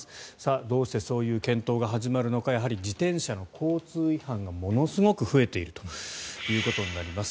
どうしてそういう検討が始まるのかやはり自転車の交通違反がものすごく増えているということになります。